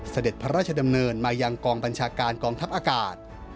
เสด็จพระราชดำเนินมายังกองบัญชาการกองทัพอากาศ